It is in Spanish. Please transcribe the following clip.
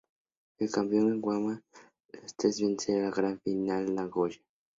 El campeón fue Gamba Osaka, tras vencer en la final a Nagoya Grampus.